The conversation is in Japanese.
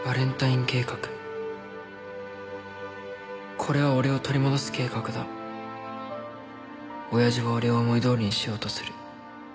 「これは俺を取り戻す計画だ」「親父は俺を思いどおりにしようとする」